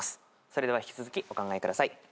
それでは引き続きお考えください。